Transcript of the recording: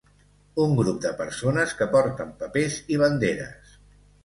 Un grup de persones que porten papers i banderes.